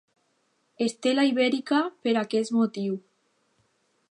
Estela Ibèrica per aquest motiu.